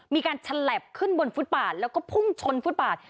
ฉลับขึ้นบนฟุตบาทแล้วก็พุ่งชนฟุตบาท